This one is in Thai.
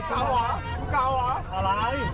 เก่าหรอ